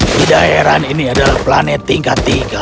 tidak heran ini adalah planet tingkat tiga